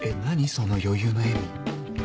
その余裕の笑み。